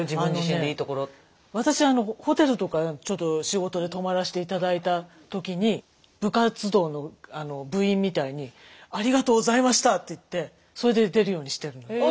私ホテルとかちょっと仕事で泊まらして頂いた時に部活動の部員みたいにありがとうございましたって言ってそれで出るようにしてるのよ。